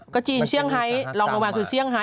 ก็จีนเซี่ยงไฮลองลงมาคือเซี่ยงไฮ